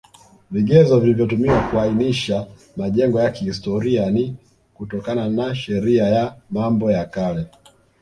Vigezo vilivyotumiwa kuainisha majengo ya kihstoria ni kutokana na Sheria ya mambo ya Kale